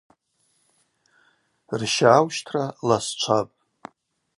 Рща аущтра ласчвапӏ.